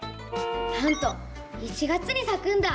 なんと１月にさくんだ。